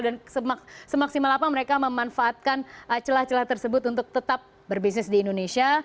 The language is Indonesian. semaksimal apa mereka memanfaatkan celah celah tersebut untuk tetap berbisnis di indonesia